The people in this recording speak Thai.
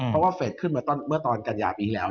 เพราะว่าเฟสขึ้นมาเมื่อตอนกันยาปีที่แล้ว